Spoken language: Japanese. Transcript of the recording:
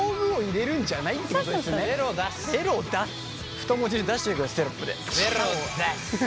太文字で出しといてくださいテロップで。